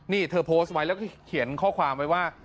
นี่เธอโพสต์ไว้แล้วก็เขียนข้อความไว้ว่า